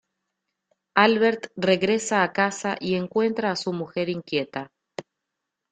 Albert regresa a casa y encuentra a su mujer inquieta.